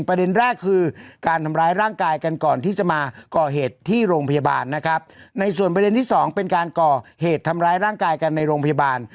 ประเด็นแรกคือการทำร้ายร่างกายกันก่อนที่จะมาก่อเหตุที่โรงพยาบาลนะครับในส่วนประเด็นที่สองเป็นการก่อเหตุทำร้ายร่างกายกันในโรงพยาบาล